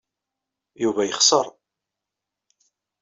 Yuba yexṣer.